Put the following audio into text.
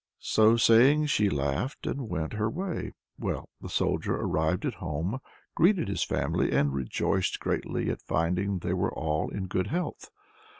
So saying she laughed and went her way. Well, the Soldier arrived at home, greeted his family, and rejoiced greatly at finding they were all in good health.